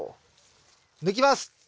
抜きます。